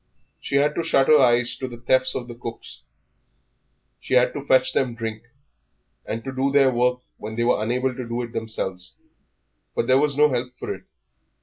She had to shut her eyes to the thefts of cooks; she had to fetch them drink, and to do their work when they were unable to do it themselves. But there was no help for it.